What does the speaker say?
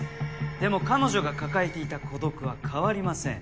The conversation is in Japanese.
でも彼女が抱えていた孤独は変わりません。